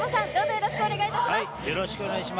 よろしくお願いします。